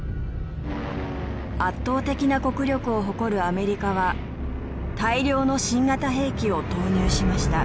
圧倒的な国力を誇るアメリカは大量の新型兵器を投入しました。